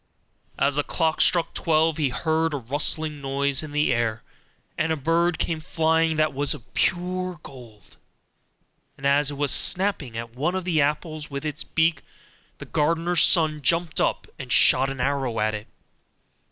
As the clock struck twelve he heard a rustling noise in the air, and a bird came flying that was of pure gold; and as it was snapping at one of the apples with its beak, the gardener's son jumped up and shot an arrow at it.